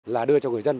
là đưa cho người dân